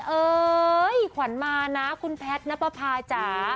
เอ้ยขวัญมานะคุณแพทย์นับประพาจ๋า